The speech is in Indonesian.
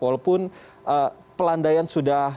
walaupun pelandaian sudah